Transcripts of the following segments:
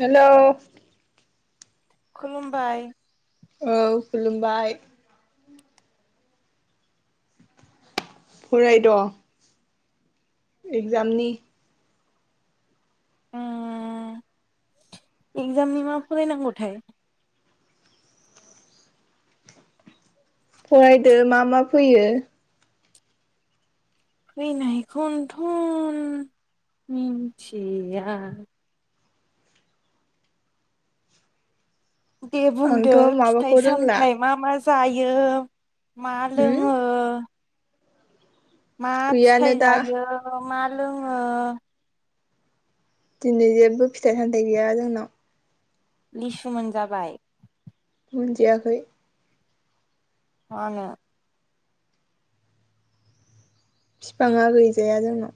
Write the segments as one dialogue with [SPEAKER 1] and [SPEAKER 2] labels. [SPEAKER 1] Hello
[SPEAKER 2] खुलुमबाय
[SPEAKER 1] औ खुलुमबाय फरायद एक्जामनि
[SPEAKER 2] उम एक्जामनि मा फरायनायगौ थाय
[SPEAKER 1] फरायदो मा मा फैयो
[SPEAKER 2] फैनायखौनोथन मिथिया दे बुंदो
[SPEAKER 1] आंथ'
[SPEAKER 2] फिथाइ
[SPEAKER 1] माबाखौ रोंला
[SPEAKER 2] सामथाय मा मा जायो मा
[SPEAKER 1] होम
[SPEAKER 2] लोङो मा
[SPEAKER 1] गैयानो
[SPEAKER 2] फिथाइ
[SPEAKER 1] दा
[SPEAKER 2] जायो मा लोङो
[SPEAKER 1] दिनै जेबो फिथाइ सामथायाइ गैया जोंनाव
[SPEAKER 2] लिसु मोनजाबाय
[SPEAKER 1] मोनजयाखै
[SPEAKER 2] मानो
[SPEAKER 1] बिफाङा गैजाया जोंहा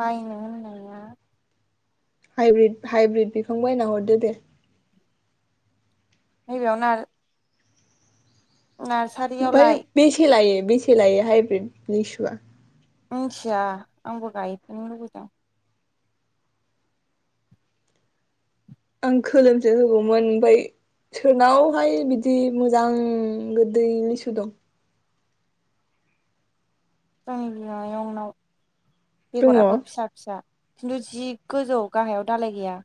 [SPEAKER 2] बायनो होनोहाया
[SPEAKER 1] हाइब्रिद-हाइब्रिद बिखां बायना हरदो दे।
[SPEAKER 2] नैबेयावनो आरो
[SPEAKER 1] ओमफ्राय बेसे लायो बेसे लायो हाइब्रिद लिसुवा?
[SPEAKER 2] मिथिया आंबो गायफैनो लुबैदों।
[SPEAKER 1] आं खोलोमसो होगौमोन ओमफाय सोरनावहाय बिदि मोजां गोदै लिसु दं?
[SPEAKER 2] जोंनि बिमायं नाव
[SPEAKER 1] दङ
[SPEAKER 2] बेगराबो फिसा फिसा खिन्थु जि गोजौ गाहायाव दालाय गैया।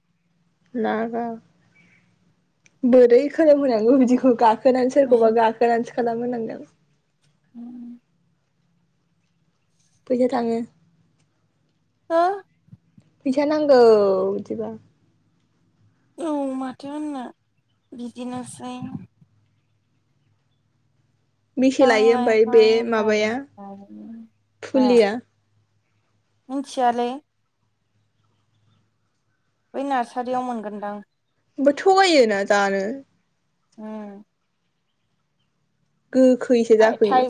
[SPEAKER 1] ना गा बोरै खोलोमहोनांगौ बिदिखौ गा खोना सोरखौबा गाखोनानसो खालाम होनांगोन।
[SPEAKER 2] [inaudible]
[SPEAKER 1] फैसा थाङो
[SPEAKER 2] हा
[SPEAKER 1] फैसा नांगौ बिदिबा
[SPEAKER 2] औ माथो होननो बिदिनोसै।
[SPEAKER 1] बेसे लायो
[SPEAKER 2] बिफां
[SPEAKER 1] ओमफ्राय बे
[SPEAKER 2] लाइफां
[SPEAKER 1] माबाया
[SPEAKER 2] गायनाय माया?
[SPEAKER 1] फुलिया
[SPEAKER 2] मिथियाले बै नार्सारियाव मोनगोनदां
[SPEAKER 1] ओमफाय थगायोना जानो।
[SPEAKER 2] ओम
[SPEAKER 1] गोखैसो जाफैयो।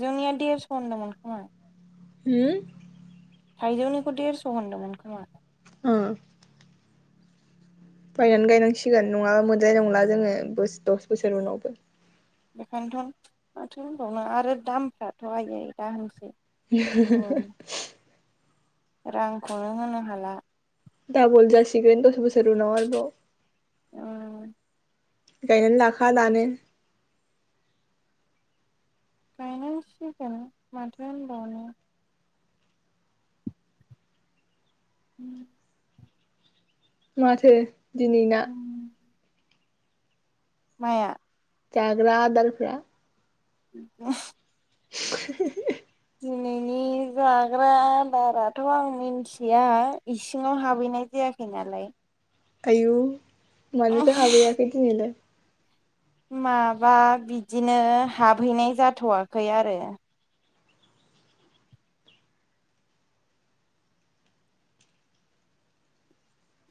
[SPEAKER 2] जौनिया देरस होनदोंमोन खोमा
[SPEAKER 1] हम?
[SPEAKER 2] थाइजौनिखौ देरस होनदोंमोन खोमा।
[SPEAKER 1] ओ बायनानै गायनां सिगोन नङाबा मोनजाय नंला जोङो बोस दस बोसोर उनावबो
[SPEAKER 2] बेखायनोथन माथो होनबावनो आरो दामफ्राथ आयै दाहोनसै।
[SPEAKER 1] [inaudible]
[SPEAKER 2] रांखौनो होनो हाला।
[SPEAKER 1] दाबल जासिगोन दस बोस सोरनि उनाव आरोबाव।
[SPEAKER 2] उम
[SPEAKER 1] गायनानै लाखा दानो।
[SPEAKER 2] गायनांसिगोन माथो होनबावनो उम
[SPEAKER 1] माथो दिनैना
[SPEAKER 2] उम माया?
[SPEAKER 1] जाग्रा आदारफ्रा
[SPEAKER 2] [inaudible]
[SPEAKER 1] [inaudible]
[SPEAKER 2] दिनैनि जाग्रा आदाराथ आं मिनथिया इसिङाव हाबहैनाय जायाखै नालाय।
[SPEAKER 1] आयु मानोथो हाबहैयाखै दिनैलाय।
[SPEAKER 2] माबा बिदिनो हाबहैनाय जाथ'वाखै आरो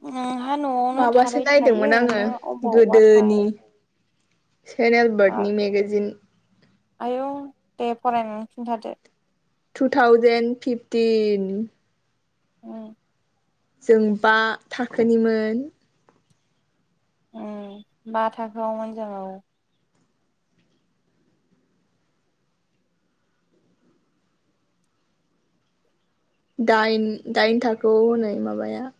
[SPEAKER 2] ओम ना आवनो
[SPEAKER 1] माबासो
[SPEAKER 2] थाबाय
[SPEAKER 1] नायदोंमोन
[SPEAKER 2] थायो
[SPEAKER 1] आङो
[SPEAKER 2] ना अबेबा अबावबा थाङो?
[SPEAKER 1] सेनेयल बाद मेगाजिन
[SPEAKER 2] आयौ दे फरायनानै खिन्थादो
[SPEAKER 1] टु थउजेन फिफटिन
[SPEAKER 2] उम
[SPEAKER 1] जों बा थाखोनिमोन
[SPEAKER 2] उम बा थाखोआवमोन जों औ
[SPEAKER 1] दाइन दाइनथाखोयाव होनाय माबाया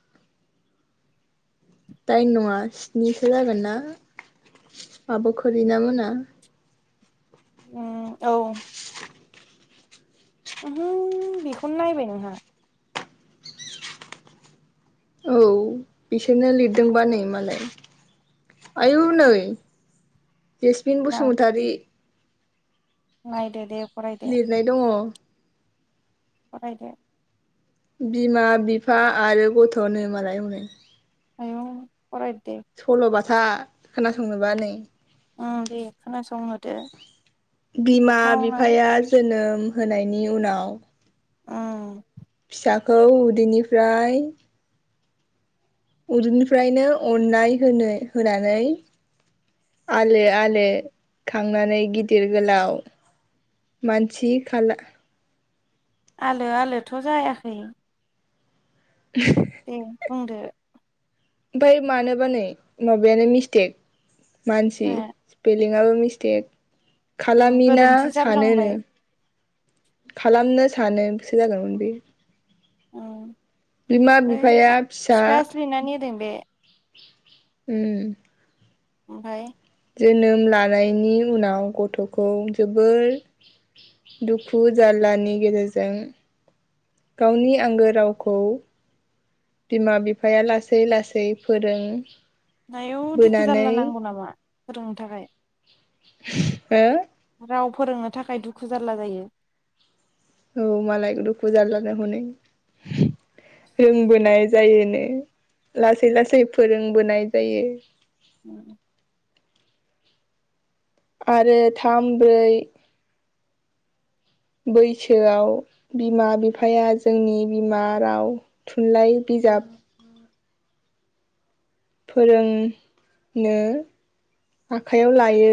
[SPEAKER 1] दाइन नङा स्निसो जागोना आब' खरिनामोना?
[SPEAKER 2] उम औ ओहो बेखौनो नायबाय नोंहा
[SPEAKER 1] औ बिसोरनो लिरदोंबा नै मालाय आयु नै जेसमिन
[SPEAKER 2] ना
[SPEAKER 1] बसुमतारी
[SPEAKER 2] नायदो दे फरायदो
[SPEAKER 1] लिरनाय दङ
[SPEAKER 2] फरायदो
[SPEAKER 1] बिमा बिफा आरो गथ'नो मालाय हनै
[SPEAKER 2] आयौ फरायदो दे
[SPEAKER 1] था खोनासंनोबा नै
[SPEAKER 2] ओं दे खोनासंहोदो
[SPEAKER 1] बिमा
[SPEAKER 2] गोथावनो
[SPEAKER 1] बिफाया जोनोम होनायनि उनाव
[SPEAKER 2] ओम
[SPEAKER 1] फिसाखौ उदैनिफ्राय उदैनिफ्रायनो अननाय होनो होनानै आलो आलो खांनानै गिदिर गोलाव मानसि खाला
[SPEAKER 2] आलो आलोथ' जायाखै दे बुंदो
[SPEAKER 1] ओमफ्राय मानोबा नै माबायानो मिस्टेक मानसि
[SPEAKER 2] माया
[SPEAKER 1] सिफिलिंयाबो मिस्टेक
[SPEAKER 2] उम
[SPEAKER 1] खालामिना
[SPEAKER 2] गोरोन्थि
[SPEAKER 1] सानो नो
[SPEAKER 2] जाफ्लांबाय
[SPEAKER 1] खालामनो सानो बेसो जागौमोन बे
[SPEAKER 2] उम
[SPEAKER 1] बिमा
[SPEAKER 2] ओइ
[SPEAKER 1] बिफाया फिसा
[SPEAKER 2] बिफाया स्लिनानै होदों बे
[SPEAKER 1] ओम
[SPEAKER 2] ओमफ्राय?
[SPEAKER 1] जोनोम लानायनि उनाव गथ खौ जोबोर दुखु जार्लानि गेजेरजों गावनि आंगो रावखौ बिमा बिफाया लासै लासै फोरों
[SPEAKER 2] नायाव दुखु जारला नांगौ नामा फोरोंनो थाखाय
[SPEAKER 1] हो
[SPEAKER 2] राव फोरोंनो थाखाय दुखु जार्ला जायो
[SPEAKER 1] औ मालाय दुखु जारल्लनो हनै रोंबोनाय जायोनो लासै लासै फोरोंबोनाय जायो
[SPEAKER 2] उम
[SPEAKER 1] आरो थाम ब्रै बैसोआव बिमा बिफाया जोंनि बिमा राव थुनलाइ बिजाब फोरोंनो आखाइयाव लायो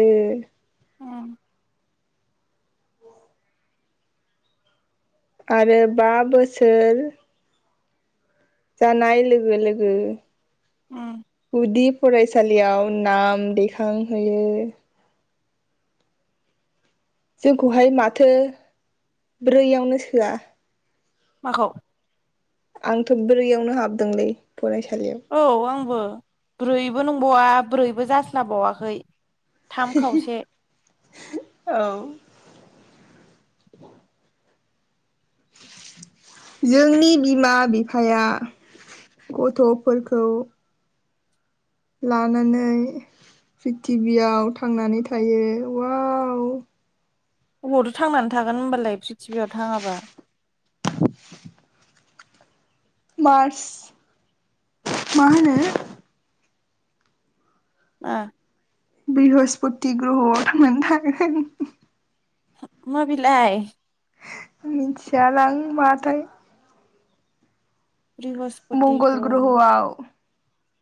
[SPEAKER 1] आरो बा बोसोर जानाय लोगो लोगो
[SPEAKER 2] उम
[SPEAKER 1] उदिप फरायसालियाव नाम दैखांहोयो जोंखौहाय माथो ब्रैयावनो सोआ
[SPEAKER 2] माखौ
[SPEAKER 1] आंथ ब्रैयावनो हाबदोंलै फरायसालियाव
[SPEAKER 2] औ आंबो ब्रैबो नंबावा ब्रैबो जास्लाबावाखै थाम खावसे
[SPEAKER 1] औ जोंनि बिमा बिफाया गथफोरखौ लानानै प्रिथिबियाव थांनानै थायो अवाव।
[SPEAKER 2] अबावथो थांनानै थागोन होनोमबालाय पृथिबियाव थाङाबा।
[SPEAKER 1] मार्स माहोनो
[SPEAKER 2] ओ।
[SPEAKER 1] बृहस्पति ग्रहआव मोन थांनानै थागोन होन।
[SPEAKER 2] माबेलाय?
[SPEAKER 1] मिथियालां माथाय।
[SPEAKER 2] बृहस्पति
[SPEAKER 1] मंगल
[SPEAKER 2] ग्रह
[SPEAKER 1] ग्रह'आव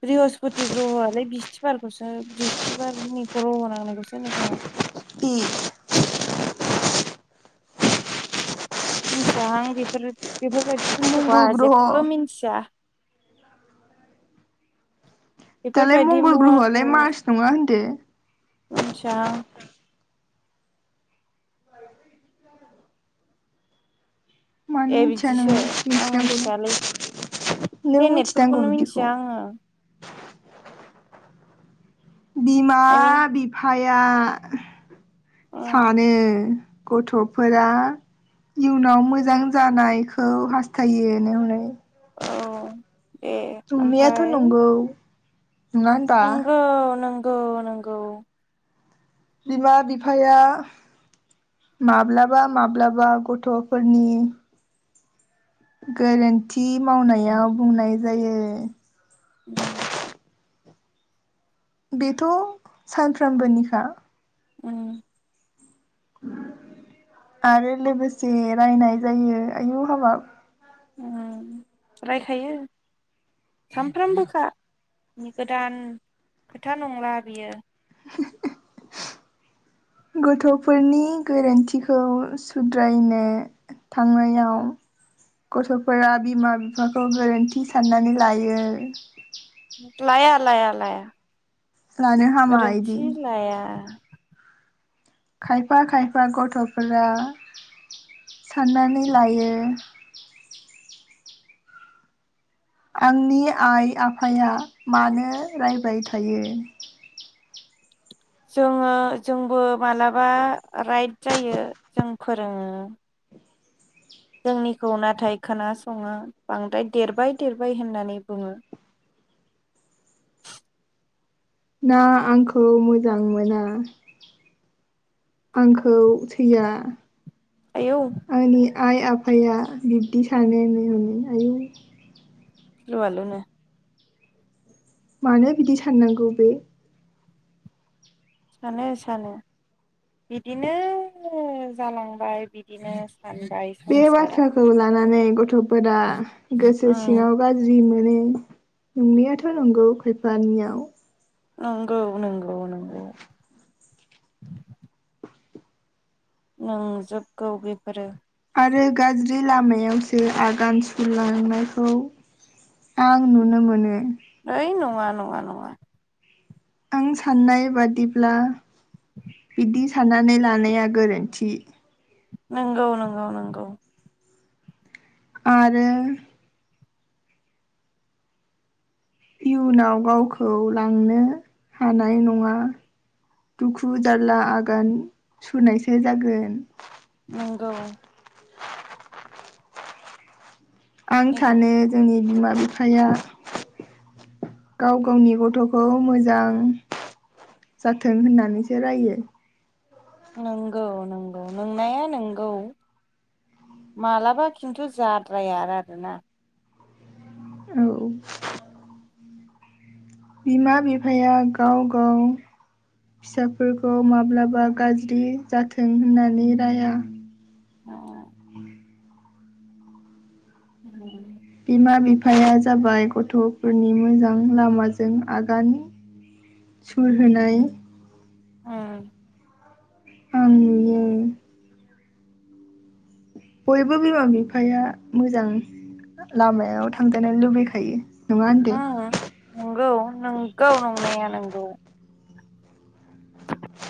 [SPEAKER 2] बृहस्पति ग्रहआलाय बिस खौसो बिस्थिबारनि ग्रह नांनायखौसो होनो खोमा।
[SPEAKER 1] ए।
[SPEAKER 2] मिनथियाहां बेफोर बेफोरबायदि। बुस्थुखौ
[SPEAKER 1] मंगल
[SPEAKER 2] आहा जेबो
[SPEAKER 1] ग्रह'
[SPEAKER 2] मिन्थिया।
[SPEAKER 1] दालाय
[SPEAKER 2] बेफोरबायदि
[SPEAKER 1] मंगल ग्रहआलाय मास नङा होनदो
[SPEAKER 2] मिनथियाहां।
[SPEAKER 1] मानो
[SPEAKER 2] ए
[SPEAKER 1] मिथिया
[SPEAKER 2] बिदिसो
[SPEAKER 1] नोंलाय
[SPEAKER 2] आं
[SPEAKER 1] मिथिनांगौ
[SPEAKER 2] मिथियालै
[SPEAKER 1] नों मिथिनांगौ
[SPEAKER 2] प्लेनेटफोरखौनो
[SPEAKER 1] बिदिखौ
[SPEAKER 2] मिथिया आङो।
[SPEAKER 1] बिमा
[SPEAKER 2] आइ मिन
[SPEAKER 1] बिफा आ
[SPEAKER 2] उम
[SPEAKER 1] सानो गथफोरा इयुनाव मोजां जानायखौ हास्थायो नो मालाय।
[SPEAKER 2] औ दे ओमफाय
[SPEAKER 1] नंगौ नङा होनबा?
[SPEAKER 2] नंगौ नंगौ नंगौ।
[SPEAKER 1] बिमा बिफाया माब्लाबा माब्लाबा गथफोरनि गोरोनथि [unintelligible] मावनायाव बुंनाय जायो।
[SPEAKER 2] उम।
[SPEAKER 1] बेथ सानफ्रामबोनिखा।
[SPEAKER 2] ओम।
[SPEAKER 1] आरो लोगोसे रायनाय जायो आयु हाबाब
[SPEAKER 2] ओम रायखायो सानफ्रामबोनिखा गोदान खोथा नंला बियो।
[SPEAKER 1] गथफोरनि गोरोन्थिखौ सुद्रायनो थांनायाव गथफोरा बिमा बिफाखौ गोरोन्थि साननानै लायो।
[SPEAKER 2] लाया लाया लाया।
[SPEAKER 1] लानो हामा इदि
[SPEAKER 2] गोरोन्थि लाया।
[SPEAKER 1] खायफा खायफा गथफोरा साननानै लायो। आंनि आइ आफाया मानो रायबाय थायो
[SPEAKER 2] जोङो जोंबो मालाबा राइट जायो जों फोरोङो जोंनिखौ नाथाय खोनासङो बांद्राय देरबाय देरबाय होननानै बुङो
[SPEAKER 1] ना आंखौ मोजां मोना? आंखौ थैया
[SPEAKER 2] आयौ
[SPEAKER 1] आंनि आइ आफाया बिब्दि सानैनि हनै आयौ
[SPEAKER 2] लु आलु न
[SPEAKER 1] मानो बिदि साननांगौ बे
[SPEAKER 2] सानो सानो बिदिनो जालांबाय बिदिनो थन्दाइ संसारा
[SPEAKER 1] नानै गथ फोरा गोसो
[SPEAKER 2] उम
[SPEAKER 1] सिङाव गाज्रि मोन [unintelligible] नोंनियाथ नंगौ खायफानियाव
[SPEAKER 2] नंगौ नंगौ नंगौ
[SPEAKER 1] [inaudible]
[SPEAKER 2] नों जोबगौ बेफोरो
[SPEAKER 1] आरो गाज्रि लामायावसो आगान सुरलांनायखौ आं नुनो मोनो
[SPEAKER 2] मै नं नंङा नंङा नंङा
[SPEAKER 1] आं साननाय बादिब्ला बिदि साननानै लानाया गोरोन्थि।
[SPEAKER 2] नंगौ नंगौ नंगौ
[SPEAKER 1] आरो इयुनाव गावखौ लांनो हानाय नङा दुखु जारला आगान सुरनायसो जागोन।
[SPEAKER 2] नंगौ
[SPEAKER 1] आं
[SPEAKER 2] नंगौ
[SPEAKER 1] थानो जोंनि बिमा बिफाया गाव गावनि गथ'खौ मोजां जाथों होननानैसो रायो।
[SPEAKER 2] नंगौ नंगौ नोंनाया नंगौ मालाबा खिन्थु जाद्राया आरोना
[SPEAKER 1] औ बिमा बिफाया गाव गाव फिसाफोरखौ माब्लाबा गाज्रि जाथों होननानै राया।
[SPEAKER 2] आ [unintelligible]
[SPEAKER 1] बिमा बिफाया जाबाय गथ'फोरनि मोजां लामाजों आगान सुर होनाय
[SPEAKER 2] उम
[SPEAKER 1] आं नुयो। बयबो बिमा बिफाया मोजां लामायाव थांजानो लुबैखायो। नङा होनदो।
[SPEAKER 2] नंगौ नंगौ नंनाया नंगौ।